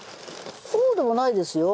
そうでもないですよ。